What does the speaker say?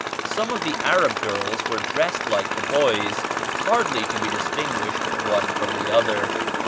Some of the Arab girls were dressed like the boys, hardly to be distinguished one from the other.